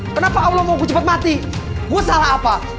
kenapa allah mau cepat mati gue salah apa